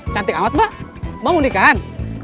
cantik amat mbak mbak mau nikahan